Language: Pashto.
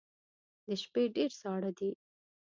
د شپې ډیر ساړه دی